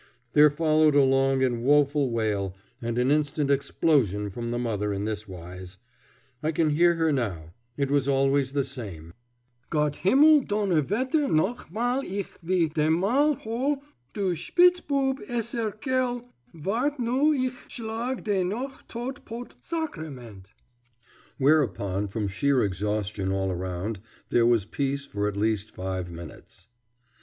There followed a long and woful wail and an instant explosion from the mother in this wise. I can hear her now. It was always the same: "Gott himmel donnerwetter noch emal ich will de mal hole du spitzbub eselskerl wart' nur ich schlag de noch todt potz sacrement!" Whereupon, from sheer exhaustion all round, there was peace for at least five minutes.